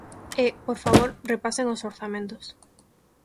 E, por favor, repasen os orzamentos.